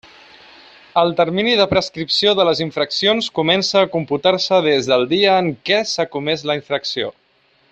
El termini de prescripció de les infraccions comença a computar-se des del dia en què s'ha comès la infracció.